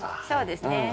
そうですね。